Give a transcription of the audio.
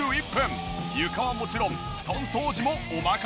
床はもちろん布団掃除もお任せください。